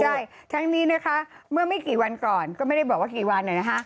ใช่ทั้งนี้นะคะเมื่อไม่กี่วันก่อนก็ไม่ได้บอกว่ากี่วันนะคะ